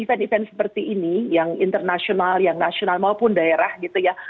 event event seperti ini yang internasional yang nasional maupun daerah gitu ya